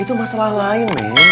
itu masalah lain men